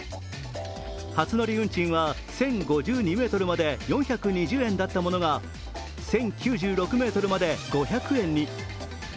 初乗り運賃は１０５２ｍまで４２０円だったものが１０９６ｍまで５００円に。